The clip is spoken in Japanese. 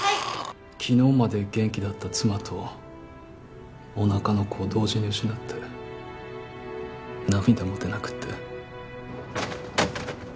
昨日まで元気だった妻とおなかの子を同時に失って涙も出なくって。